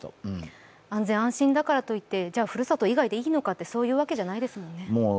安全安心だからといってじゃあふるさと以外でいいのかというとそういうわけじゃないですもんね。